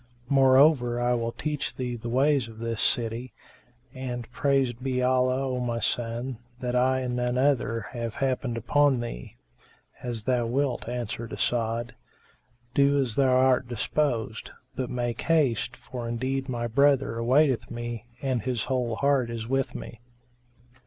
Moreover I will teach thee the ways of this city; and, praised be Allah, O my son, that I, and none other have happened upon thee." "As thou wilt," answered As'ad, "do as thou art disposed, but make haste, for indeed my brother awaiteth me and his whole heart is with me."